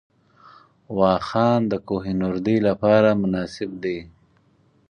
واخان د کوه نوردۍ لپاره مناسب دی